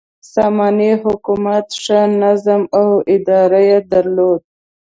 ساماني حکومت ښه نظم او اداره درلوده.